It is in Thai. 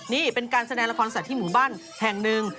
นี่เป็นการแสดงละครสัตว์หมู่บ้านแห่งหนึ่ง